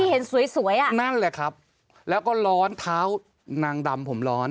เห็นสวยสวยอ่ะนั่นแหละครับแล้วก็ร้อนเท้านางดำผมร้อน